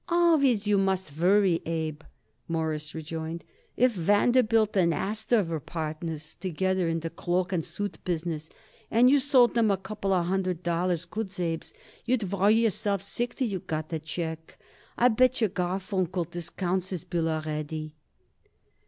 "Always you must worry, Abe," Morris rejoined. "If Vanderbilt and Astor was partners together in the cloak and suit business, and you sold 'em a couple of hundred dollars' goods, Abe, you'd worry yourself sick till you got a check. I bet yer Garfunkel discounts his bill already."